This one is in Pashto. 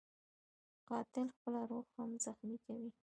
قاتل خپله روح هم زخمي کوي